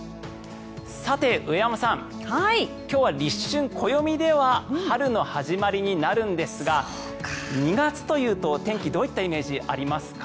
さて、上山さん今日は立春、暦では春の始まりになるんですが２月というと天気どういったイメージありますか。